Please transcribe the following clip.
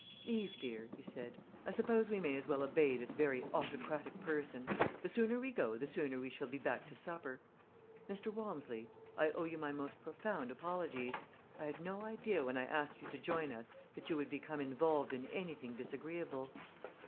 "Eve, dear," he said, "I suppose we may as well obey this very autocratic person. The sooner we go the sooner we shall be back to supper. Mr. Walmsley, I owe you my most profound apologies. I had no idea when I asked you to join us that you would become involved in anything disagreeable."